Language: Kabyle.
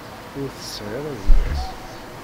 Ur tesɛi ara gma-s.